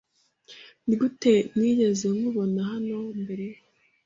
Nigute ntigeze nkubona hano mbere?